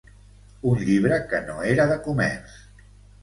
Un llibre que no era de comerç